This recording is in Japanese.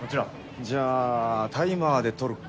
じゃあタイマーで撮るか。